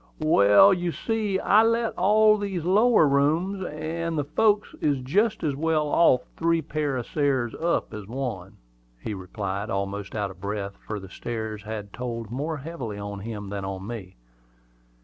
"Well, you see, I let all these lower rooms; and the folks is jest as well off up three pair of stairs as up one," he replied, almost out of breath, for the stairs told more heavily on him than on me.